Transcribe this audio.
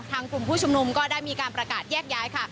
กลุ่มผู้ชุมนุมก็ได้มีการประกาศแยกย้ายค่ะ